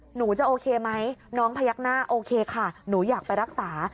หนูจะโอเคไหมน้องพยักหน้าโอเคค่ะหนูอยากไปรักษา